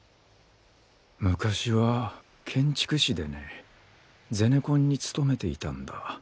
昔は建築士でねゼネコンに勤めていたんだ。